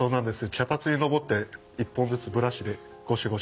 脚立に登って一本ずつブラシでゴシゴシと。